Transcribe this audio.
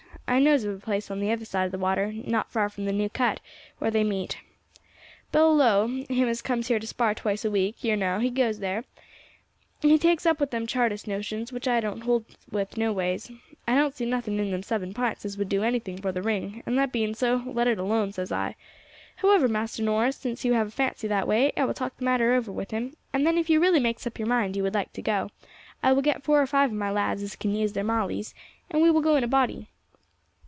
I knows of a place over the other side of the water, not far from the New Cut, where they meet. Bill Lowe, him as comes here to spar twice a week, yer know, he goes there; he takes up with them Chartist notions, which I don't hold with no ways. I don't see nothing in them seven pints as would do anything for the ring; and that being so, let it alone, says I. However, Master Norris, since you have a fancy that way I will talk the matter over with him, and then if you really makes up your mind you would like to go, I will get four or five of my lads as can use their mawleys, and we will go in a body.